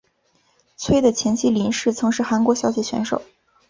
崔的前妻林氏曾是韩国小姐选手。